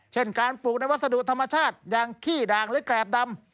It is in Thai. เช่นการปลูกในวัสดุธรรมชาติอย่างขี้ด่างหรือแกรบดำ